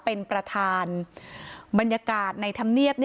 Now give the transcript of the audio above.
เป็นประธานบรรยากาศในธรรมเนียบ